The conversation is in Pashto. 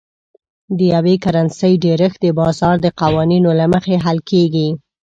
د یوې کرنسۍ ډېرښت د بازار د قوانینو له مخې حل کیږي.